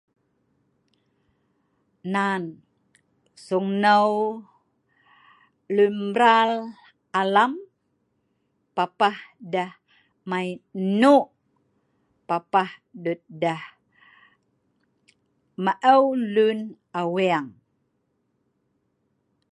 Nan seung neu luen mbraal alam papah deeh mai nneu’ papah duet deeh maeu luen aweng